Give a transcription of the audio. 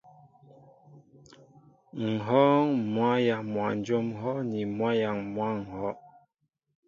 M̀ wɔ́ɔ́ŋ mwǎyaŋ mwanjóm ŋ̀hɔ́' ni mwǎyaŋ mwǎ ŋ̀hɔ́.